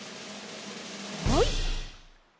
はい。